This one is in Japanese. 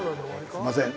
すみません。